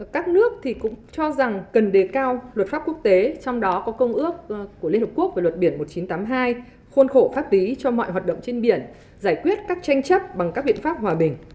các nước cũng cho rằng cần đề cao luật pháp quốc tế trong đó có công ước của liên hợp quốc về luật biển một nghìn chín trăm tám mươi hai khôn khổ pháp tí cho mọi hoạt động trên biển giải quyết các tranh chấp bằng các biện pháp hòa bình